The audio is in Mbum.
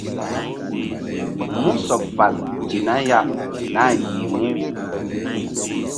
Mú sɔɓ fal ti nah ya nah yih mu.